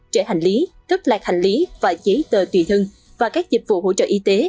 trẻ hành lý cấp lạc hành lý và giấy tờ tùy thân và các dịch vụ hỗ trợ y tế